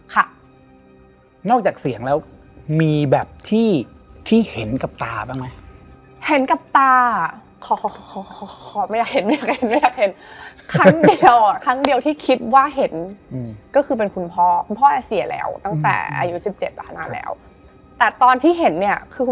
ก็เลยแบบอ่ะทีนี้คนรู้แล้วเราไม่รู้